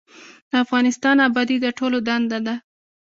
د افغانستان ابادي د ټولو دنده ده